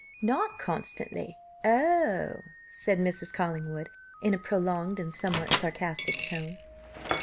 "Not constantly oh!" said Mrs. Collingwood, in a prolonged and somewhat sarcastic tone.